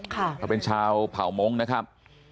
ค่ะเขาเป็นชาวเผ่าโมงนะครับ